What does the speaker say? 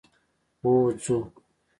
هو ځو.